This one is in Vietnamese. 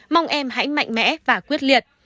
mong em hãy mạnh mẽ và quyết liệt